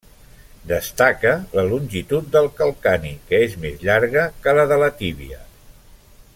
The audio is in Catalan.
Destaca la longitud del calcani què és més llarga que la de la tíbia.